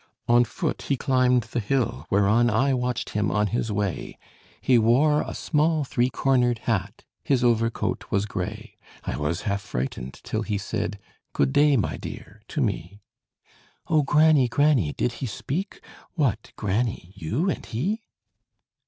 On foot he climbed the hill, whereon I watched him on his way: He wore a small three cornered hat; His overcoat was gray. I was half frightened till he said 'Good day, my dear!' to me." "O granny, granny, did he speak? What, granny! you and he?"